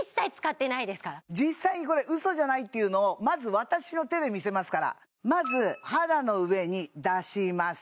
実際にこれウソじゃないというのをまず私の手で見せますからまず肌の上に出します